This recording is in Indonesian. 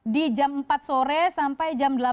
di jam empat sore sampai jam delapan